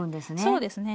そうですね。